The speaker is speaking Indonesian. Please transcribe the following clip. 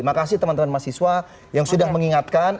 makasih teman teman mahasiswa yang sudah mengingatkan